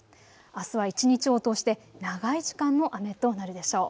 あすは一日を通して長い時間の雨となるでしょう。